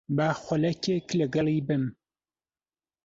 با خولەکێک لەگەڵی بم.